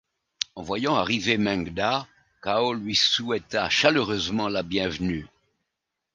En voyant arriver Meng Da, Cao lui souhaita chaleureusement la bienvenue.